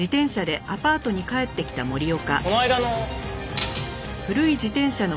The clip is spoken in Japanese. この間の。